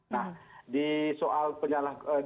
nah di soal penyalahgunaan